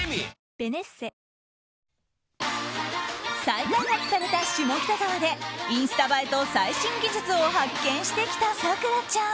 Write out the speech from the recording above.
再開発された下北沢でインスタ映えと最新技術を発見してきた咲楽ちゃん。